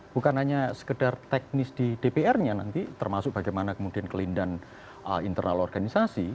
bukan hanya sekedar teknis di dpr nya nanti termasuk bagaimana kemudian kelindahan internal organisasi